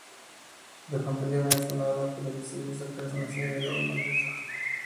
De familia venezolana, pero decidió sacar su nacionalidad holandesa.